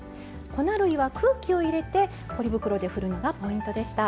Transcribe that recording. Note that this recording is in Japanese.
粉類は空気を入れてポリ袋で振るのがポイントでした。